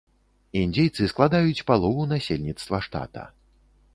Індзейцы складаюць палову насельніцтва штата.